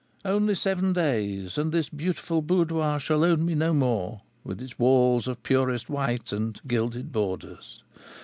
"Only seven days and this beautiful boudoir shall own me no more, with its walls of purest white and gilded borders!